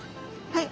はい。